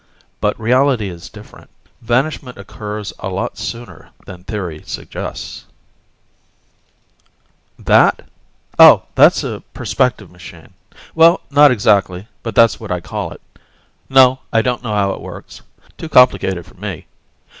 But reality is different; vanishment occurs a lot sooner than theory suggests ..._ Illustrated by Martinez That? Oh, that's a perspective machine. Well, not exactly, but that's what I call it. No, I don't know how it works. Too complicated for me.